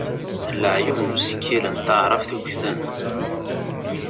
Leɛyub n usekkil n taɛrabt ggten.